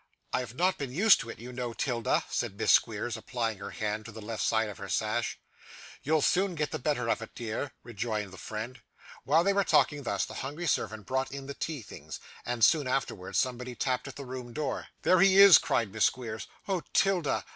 'I have not been used to it, you know, 'Tilda,' said Miss Squeers, applying her hand to the left side of her sash. 'You'll soon get the better of it, dear,' rejoined the friend. While they were talking thus, the hungry servant brought in the tea things, and, soon afterwards, somebody tapped at the room door. 'There he is!' cried Miss Squeers. 'Oh 'Tilda!